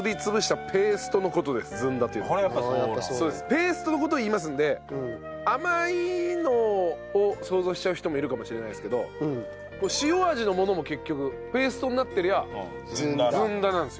ペーストの事をいいますんで甘いのを想像しちゃう人もいるかもしれないですけど塩味のものも結局ペーストになってりゃずんだなんですよ。